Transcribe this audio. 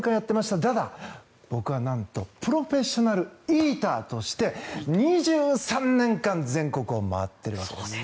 ただ、僕はなんとプロフェッショナルイーターとして２３年間全国を回っているわけです。